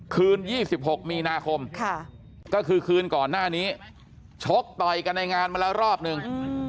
คืน๒๖มีนาคมก็คือคืนก่อนหน้านี้ชกต่อยกันในงานมาแล้วรอบนึง